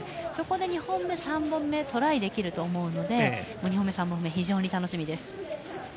そこで２本目、３本目トライできると思うので２本目、３本目非常に楽しみです。